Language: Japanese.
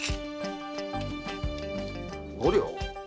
五両⁉